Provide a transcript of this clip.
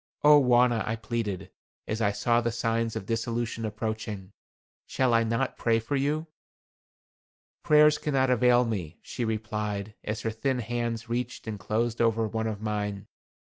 "Oh, Wauna," I pleaded, as I saw the signs of dissolution approaching, "shall I not pray for you?" "Prayers cannot avail me," she replied, as her thin hands reached and closed over one of mine.